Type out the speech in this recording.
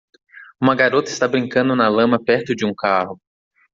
Uma garota está brincando na lama perto de um carro.